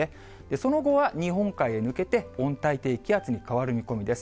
その後は日本海へ抜けて、温帯低気圧に変わる見込みです。